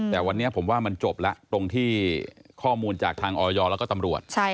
แต่วันนี้ผมว่ามันจบแล้วตรงที่ข้อมูลจากทางออยแล้วก็ตำรวจ